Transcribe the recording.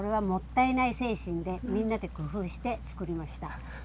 これはもったいない精神で、みんなで工夫して作りました。